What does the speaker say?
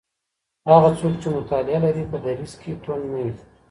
هغه څوک چي مطالعه لري په دریځ کي توند نه وي.